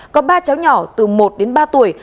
có ba cháu nhỏ từ một đến ba tuổi